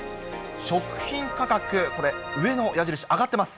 食品価格、これ、上の矢印、上がってます。